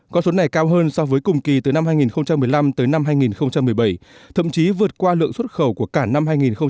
con số này cao hơn so với cùng kỳ từ năm hai nghìn một mươi năm tới năm hai nghìn một mươi bảy thậm chí vượt qua lượng xuất khẩu của cả năm hai nghìn một mươi tám